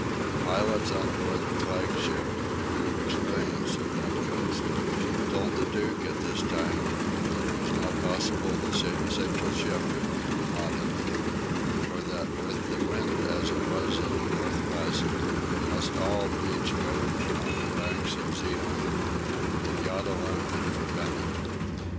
The pilots on board the flagship men of experience of that coast told the Duke at this time that it was not possible to save a single ship of the Armada; for that with the wind as it was in the north west, they must all needs go on the banks of Zeeland; that God alone could prevent it.